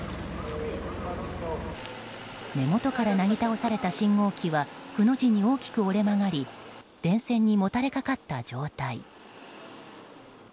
根元からなぎ倒された信号機はくの字に大きく折れ曲がり電線にもたれかかった状態。